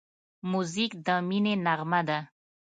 موزیک د مینې نغمه ده.